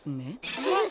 えっ。